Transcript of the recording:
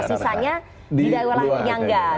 sisanya di daerah yang nggak